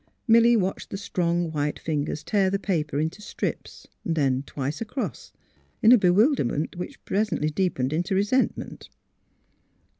Milly watched the strong white fingers tear the paper into strips, then twice across, in a bewilderment which pres ently deepened into resentment.